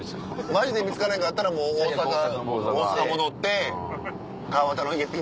マジで見つからへんかったらもう大阪大阪戻って。